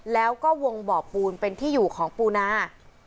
แล้วก็วงบ่อปูนเป็นที่อยู่ของปูนา